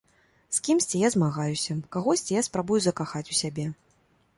З кімсьці я змагаюся, кагосьці я спрабую закахаць у сябе.